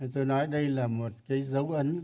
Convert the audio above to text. tôi nói đây là một cái dấu ấn